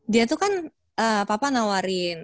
dia tuh kan papa nawarin